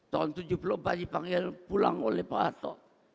tahun seribu sembilan ratus tujuh puluh empat dipanggil pulang oleh pak harto